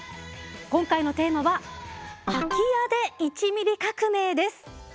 今回のテーマは「空き家で１ミリ革命」です。